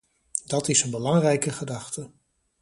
Dat is een belangrijke gedachte.